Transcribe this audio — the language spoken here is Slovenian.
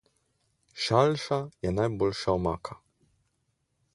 Šalša je najboljša omaka.